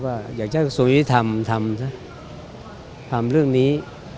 ว่าอยากจะสวยธรรมทำเรื่องนี้